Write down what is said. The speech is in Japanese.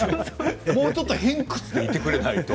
もうちょっと偏屈で言ってくれないと。